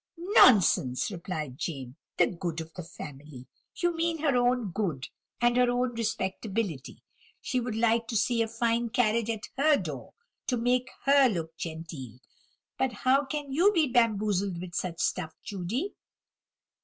"Nonsense!" replied James; "the good of the family! you mean her own good, and her own respectability. She would like to see a fine carriage at her door, to make her look genteel; how can you be bamboozled with such stuff, Judy?"